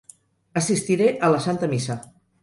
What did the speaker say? Assistiré a la santa missa.